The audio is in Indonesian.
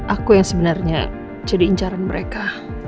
aku yang sebenarnya jadi incaran mereka